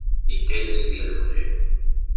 Idda yas di lebɣi.